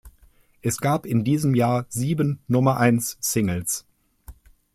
Es gab in diesem Jahr sieben Nummer-eins-Singles.